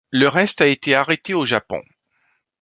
Le reste a été arrêté au Japon.